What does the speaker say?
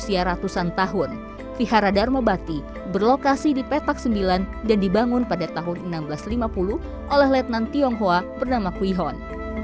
berusia ratusan tahun vihara dharma bakti berlokasi di petak sembilan dan dibangun pada tahun seribu enam ratus lima puluh oleh letnan tionghoa bernama kuihon